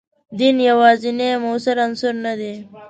دین یوازینی موثر عنصر نه دی.